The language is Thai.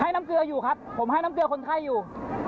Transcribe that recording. น้ำเกลืออยู่ครับผมให้น้ำเกลือคนไข้อยู่